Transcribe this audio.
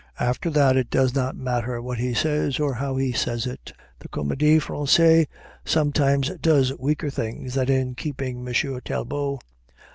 After that it does not matter what he says or how he says it. The Comédie Française sometimes does weaker things than in keeping M. Talbot.